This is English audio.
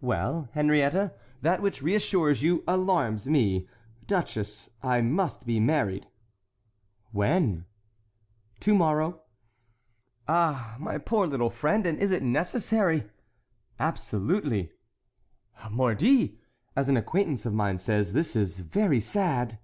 "Well, Henriette, that which reassures you, alarms me. Duchess, I must be married." "When?" "To morrow." "Oh, poor little friend! and is it necessary?" "Absolutely." "Mordi! as an acquaintance of mine says, this is very sad."